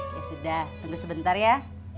ya sudah tunggu sebentar ya